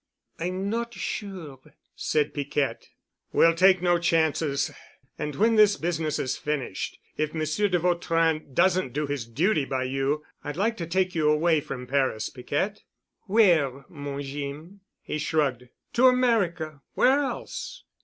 "I'm not sure," said Piquette. "We'll take no chances. And when this business is finished, if Monsieur de Vautrin doesn't do his duty by you I'd like to take you away from Paris, Piquette." "Where, mon Jeem?" He shrugged. "To America. Where else?"